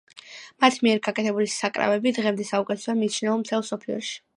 მათ მიერ გაკეთებული საკრავები დღემდე საუკეთესოდაა მიჩნეული მთელ მსოფლიოში.